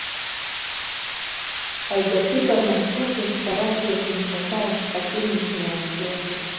haijapiga marufuku sarafu ya kimtandao lakini ina wasiwasi